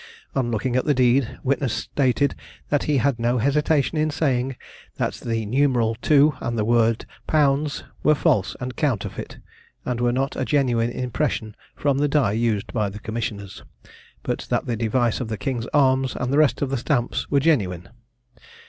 On looking at the deed, witness stated that he had no hesitation in saying, that the numeral "II" and the word "Pounds" were false and counterfeit, and were not a genuine impression from the die used by the commissioners; but that the device of the King's arms and the rest of the stamps were genuine.